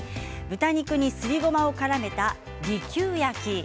豚肉にすりごまをからめた利久焼き。